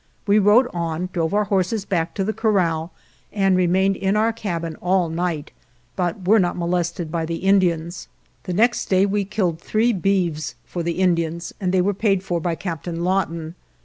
We rode on, drove our horses back to the corral and remained in our cabin all night, but were not molested by the In dians. The next day we killed three beeves for the Indians, and they were paid for by Cap tain Lawton.